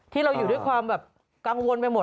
ที่เราอยู่ด้วยความแบบกังวลไปหมด